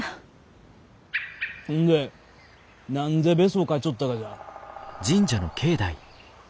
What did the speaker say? ほんで何でベソかいちょったがじゃ？